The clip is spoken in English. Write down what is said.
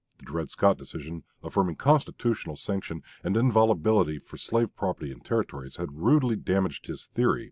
The Dred Scott decision, affirming constitutional sanction and inviolability for slave property in Territories, had rudely damaged his theory.